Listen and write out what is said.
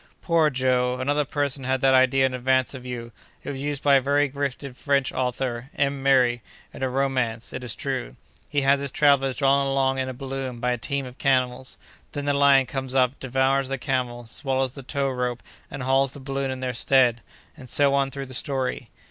"Poor Joe! Another person had that idea in advance of you. It was used by a very gifted French author—M. Méry—in a romance, it is true. He has his travellers drawn along in a balloon by a team of camels; then a lion comes up, devours the camels, swallows the tow rope, and hauls the balloon in their stead; and so on through the story.